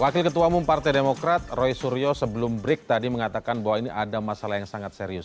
wakil ketua umum partai demokrat roy suryo sebelum break tadi mengatakan bahwa ini ada masalah yang sangat serius